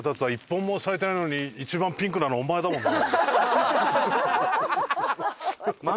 １本も咲いてないのに一番ピンクなのお前だもんな。